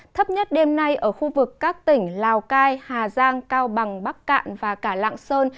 thấp nhất đêm nay ở khu vực các tỉnh lào cai hà giang cao bằng bắc cạn và cả lạng sơn